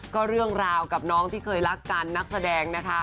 ก็เรื่องราวกับน้องที่เคยรักกันนักแสดงนะคะ